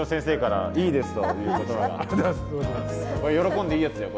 喜んでいいやつだよ